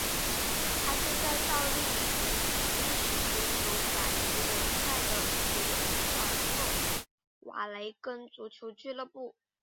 他现在效力于比利时足球甲级联赛的祖尔特瓦雷根足球俱乐部。